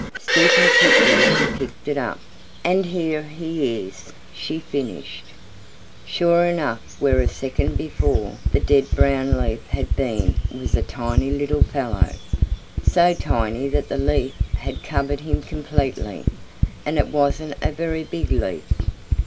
Stooping quickly she picked it up. "And here he is," she finished. Sure enough where a second before the dead brown leaf had been was a tiny little fellow, so tiny that that leaf had covered him completely, and it wasn't a very big leaf.